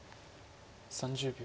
３０秒。